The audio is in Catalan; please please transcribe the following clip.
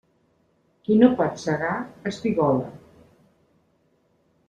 Qui no pot segar, espigola.